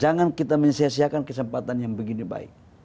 jangan kita mensiasiakan kesempatan yang begini baik